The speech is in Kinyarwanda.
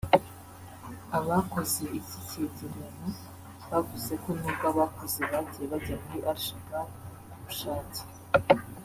Abakoze iki cyegeranyo bavuze ko nubwo abakuze bagiye bajya muri Al-Shabab ku bushake